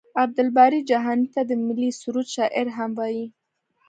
عبدالباري جهاني ته د ملي سرود شاعر هم وايي.